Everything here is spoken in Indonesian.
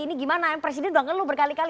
ini gimana presiden bangun lu berkali kali